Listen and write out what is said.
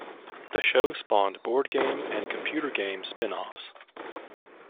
The show spawned board game and computer game spin-offs.